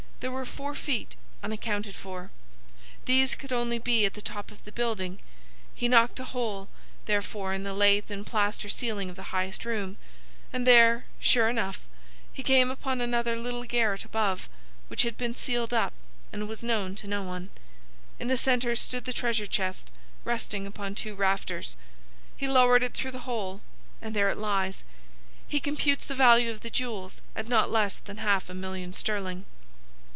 There were four feet unaccounted for. These could only be at the top of the building. He knocked a hole, therefore, in the lath and plaster ceiling of the highest room, and there, sure enough, he came upon another little garret above it, which had been sealed up and was known to no one. In the centre stood the treasure chest, resting upon two rafters. He lowered it through the hole, and there it lies. He computes the value of the jewels at not less than half a million sterling."